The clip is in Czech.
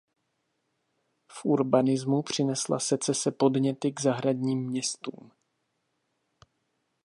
V urbanismu přinesla secese podněty k zahradním městům.